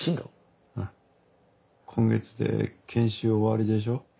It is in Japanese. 今月で研修終わりでしょ。